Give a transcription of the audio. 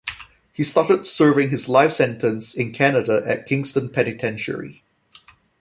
He started serving his life sentence in Canada at Kingston Penitentiary.